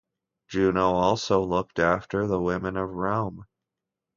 Juno also looked after the women of Rome.